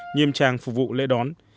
nghiêm trang phục vụ lễ đón